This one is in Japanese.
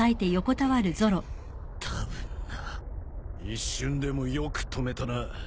一瞬でもよく止めたな。